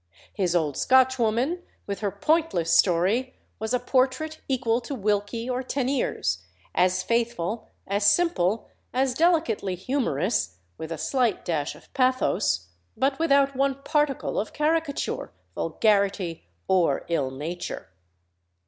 His old Scotchwoman, with her pointless story, was a portrait equal to Wilkie or Teniers, as faithful, as simple, as delicately humorous, with a slight dash of pathos, but without one particle of caricature, vulgarity, or ill nature."